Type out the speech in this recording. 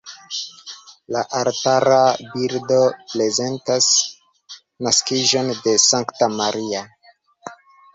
La altara bildo prezentas naskiĝon de Sankta Maria.